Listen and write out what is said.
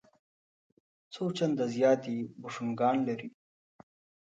څو چنده زیات یې بوشونګان لري.